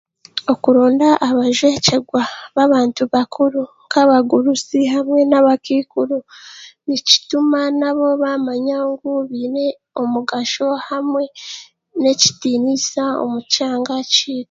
Okuronda abajwekyerwa b'abantu bakuru nk'abagurusi n'abakaikuru nikituma naabo baamanya ngu baine omugasho hamwe n'ekitiinisa omu kyanga kyaitu